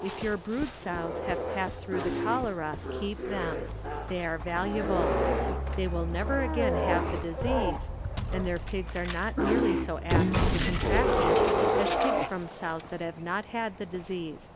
If your brood sows have passed through the cholera, keep them ; they are valuable. They will never again have the disease, and their pigs are not nearly so apt to contract it as pigs from sows that have not had the disease.